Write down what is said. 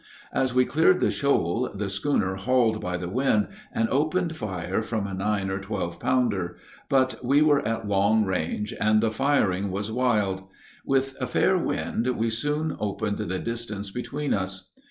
As we cleared the shoal, the schooner hauled by the wind, and opened fire from a nine or twelve pounder; but we were at long range, and the firing was wild. With a fair wind we soon opened the distance between us.